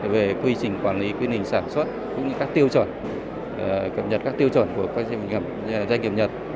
về quy trình quản lý quy định sản xuất cũng như các tiêu chuẩn của doanh nghiệp nhật